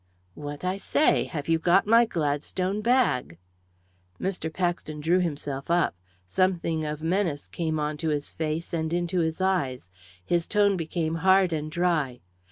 "What I say have you got my Gladstone bag?" Mr. Paxton drew himself up. Something of menace came on to his face and into his eyes. His tone became hard and dry.